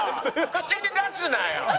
口に出すなよ